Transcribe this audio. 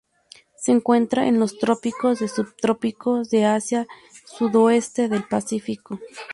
Se encuentra en los trópicos y subtrópicos de Asia y sudoeste del Pacífico.